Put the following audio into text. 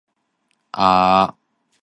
清明時節雨紛紛